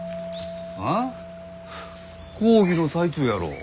あ？講義の最中やろう。